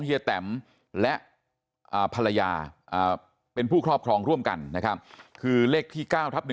เฮีแตมและภรรยาเป็นผู้ครอบครองร่วมกันนะครับคือเลขที่๙ทับ๑